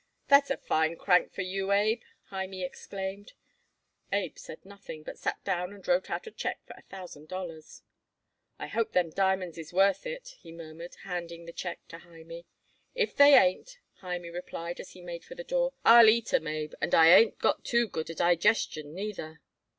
"That's a fine crank for you, Abe," Hymie exclaimed. Abe said nothing, but sat down and wrote out a check for a thousand dollars. "I hope them diamonds is worth it," he murmured, handing the check to Hymie. "If they ain't," Hymie replied as he made for the door, "I'll eat 'em, Abe, and I ain't got too good a di gestion, neither."